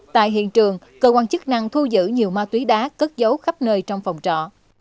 tại hiện trường cơ quan chức năng thu giữ nhiều ma túy đá cất dấu khắp nơi trong phòng trọ